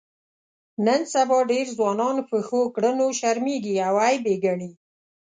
نن سبا ډېر ځوانان په ښو کړنو شرمېږي او عیب یې ګڼي.